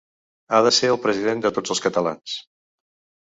Ha de ser el president de tots els catalans.